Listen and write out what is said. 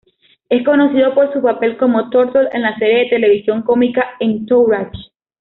Es conocido por su papel como "Turtle" en la serie de televisión cómica "Entourage".